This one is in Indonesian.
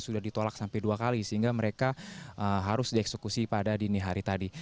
sudah ditolak sampai dua kali sehingga mereka harus dieksekusi pada dini hari tadi